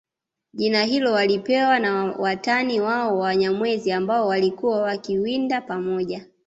Jina hilo walipewa na watani wao Wanyamwezi ambao walikuwa wakiwinda pamoja